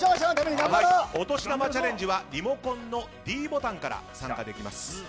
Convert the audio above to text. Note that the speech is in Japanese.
お年玉チャレンジはリモコンのｄボタンから参加できます。